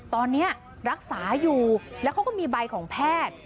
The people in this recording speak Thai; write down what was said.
ตอนนี้รักษาอยู่แล้วเขาก็มีใบของแพทย์